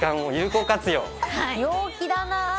陽気だな。